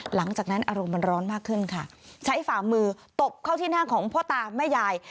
หลังจากนั้นอารมณ์มันร้อนมากขึ้นค่ะใช้ฝ่ามือตบเข้าที่หน้าของพ่อตาแม่ยาย